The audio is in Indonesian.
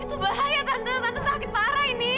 itu bahaya tante sakit parah ini